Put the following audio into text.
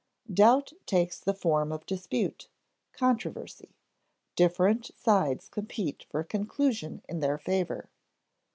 Doubt takes the form of dispute, controversy; different sides compete for a conclusion in their favor.